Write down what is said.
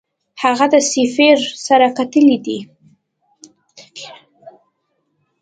هغه د سفیر سره کتلي دي.